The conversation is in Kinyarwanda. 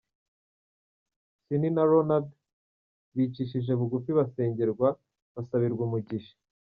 Ciney na Ronald bicishije bugufi barasengerwa basabirwa umugisha.